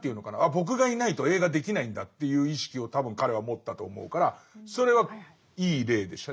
僕がいないと映画できないんだっていう意識を多分彼は持ったと思うからそれはいい例でしたね。